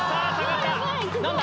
何だ？